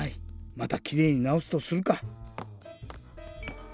またきれいになおすとするか。